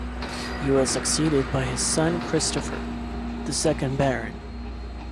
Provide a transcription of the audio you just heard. He was succeeded by his son Christopher, the second Baron.